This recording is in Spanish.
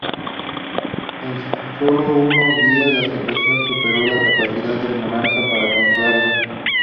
En sólo unos días, la situación superó la capacidad del monarca para controlarla.